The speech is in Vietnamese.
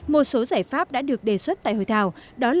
một số giải pháp đã được đề xuất tại hội thảo